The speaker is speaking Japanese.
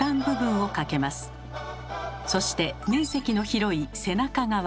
そして面積の広い背中側。